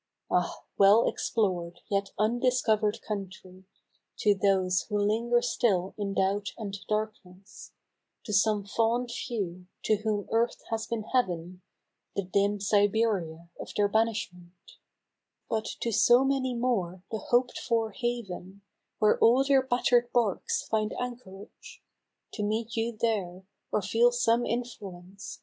Ah ! well explored, yet undiscovered country, To those who linger still in doubt and darkness ; To some fond few, to whom Earth has been Heaven, The dim Siberia of their banishment ; But to so many more the hoped for haven, Where all their batter'd barks find anchorage ; To meet you there, or feel some influence.